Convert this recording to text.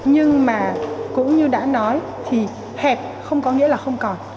nhưng mà cũng như đã nói thì hẹp không có nghĩa là không còn